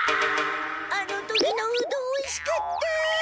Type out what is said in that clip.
あの時のうどんおいしかった！